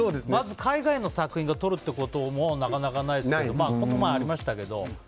まず海外の作品がとるってこともなかなかないですけどこの前ありましたけど。